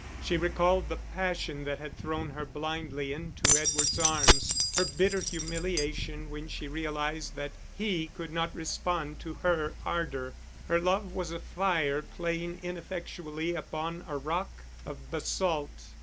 She recalled the passion that had thrown her blindly into Edward's arms, her bitter humiliation when she realised that he could not respond to her ardour; her love was a fire playing ineffectually upon a rock of basalt.